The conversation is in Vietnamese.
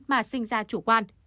mà sinh ra chủ quan